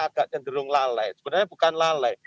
agak cenderung lalai sebenarnya bukan lalai